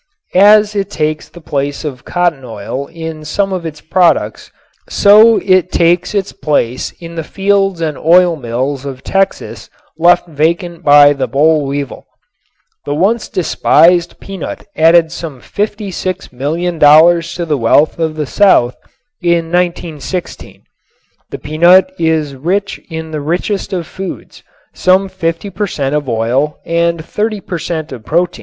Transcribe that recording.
As it takes the place of cotton oil in some of its products so it takes its place in the fields and oilmills of Texas left vacant by the bollweevil. The once despised peanut added some $56,000,000 to the wealth of the South in 1916. The peanut is rich in the richest of foods, some 50 per cent. of oil and 30 per cent. of protein.